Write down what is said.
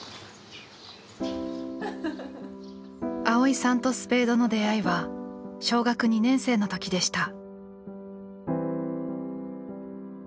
蒼依さんとスペードの出会いは小学２年生の時でした。